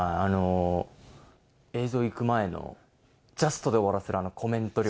映像いく前のジャストで終わらせるあのコメント力。